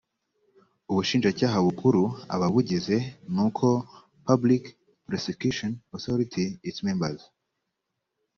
ubushinjacyaha bukuru ababugize n uko public prosecution authority its members